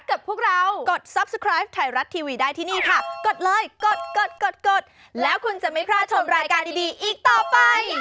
ขอบคุณมากครับ